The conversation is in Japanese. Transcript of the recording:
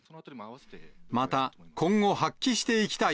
また、今後、発揮していきたい